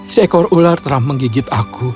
seekor ular telah menggigit aku